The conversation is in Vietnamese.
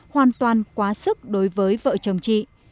hoàn toàn quá sức đối với vợ chồng chị